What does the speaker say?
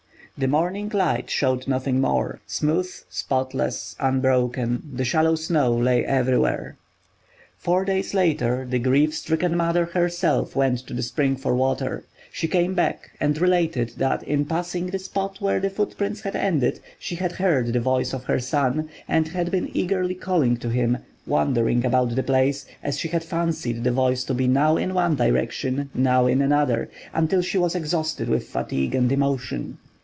The morning light showed nothing more. Smooth, spotless, unbroken, the shallow snow lay everywhere. Four days later the grief stricken mother herself went to the spring for water. She came back and related that in passing the spot where the footprints had ended she had heard the voice of her son and had been eagerly calling to him, wandering about the place, as she had fancied the voice to be now in one direction, now in another, until she was exhausted with fatigue and emotion.